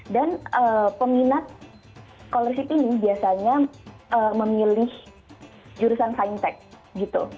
dan peminat scholarship ini biasanya memilih jurusan scientech gitu